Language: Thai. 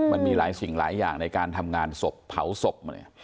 มันมีหลายสิ่งหลายอย่างในการทำงานศพเผาศพมาเนี่ย